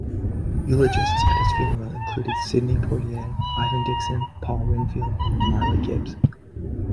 Eulogists at his funeral included Sidney Poitier, Ivan Dixon, Paul Winfield, and Marla Gibbs.